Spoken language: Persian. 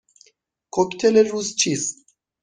کوکتل روز چیست؟